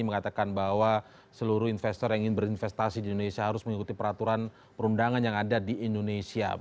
mengatakan bahwa seluruh investor yang ingin berinvestasi di indonesia harus mengikuti peraturan perundangan yang ada di indonesia